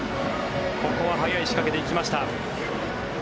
ここは早い仕掛けで行きました。